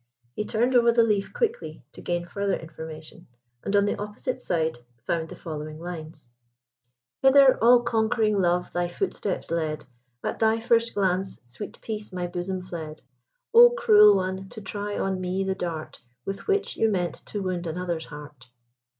He turned over the leaf quickly to gain further information, and on the opposite side found the following lines: Hither all conquering Love thy footsteps led; At thy first glance sweet peace my bosom fled; Oh, cruel one, to try on me the dart With which you meant to wound another's heart!